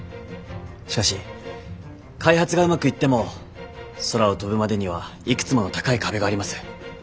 しかし開発がうまくいっても空を飛ぶまでにはいくつもの高い壁があります。